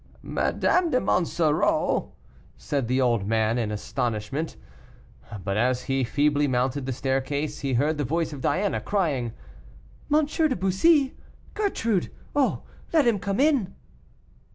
"Madame de Monsoreau!" said the old man in astonishment. But as he feebly mounted the staircase, he heard the voice of Diana crying, "M. de Bussy. Gertrude? Oh! let him come in!"